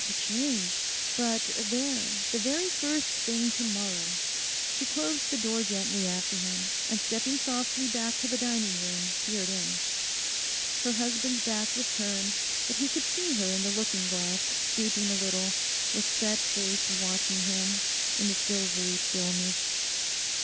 the change! But there, the very first thing to morrow.' She closed the door gently after him, and stepping softly back to the dining room, peered in. Her husband's back was turned, but he could see her in the looking glass, stooping a little, with set face watching him, in the silvery stillness.